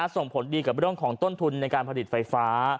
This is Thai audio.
ส่งผลดีกับเรื่องของต้นทุนในการผลิตไฟฟ้า